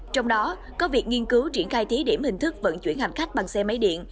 trong đó có việc nghiên cứu triển khai thí điểm hình thức vận chuyển hành khách bằng xe máy điện